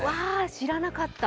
知らなかった。